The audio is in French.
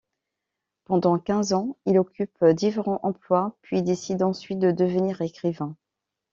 Pendant quinze ans, il occupe différents emplois, puis décide ensuite de devenir écrivain.